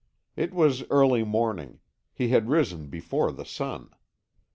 It was early morning; he had risen before the sun.